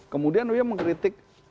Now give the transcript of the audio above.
kemudian dia mengkritik mafia jokowi